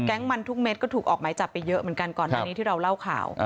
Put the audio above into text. มันทุกเม็ดก็ถูกออกหมายจับไปเยอะเหมือนกันก่อนหน้านี้ที่เราเล่าข่าว